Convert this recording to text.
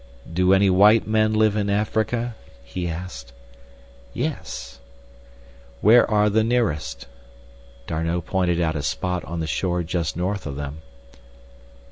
"Do any white men live in Africa?" he asked. "Yes." "Where are the nearest?" D'Arnot pointed out a spot on the shore just north of them.